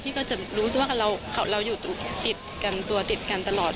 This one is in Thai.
พี่ก็จะรู้ว่าเราอยู่ตัวติดกันตลอด